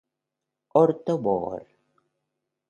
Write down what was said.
Horto Bogor.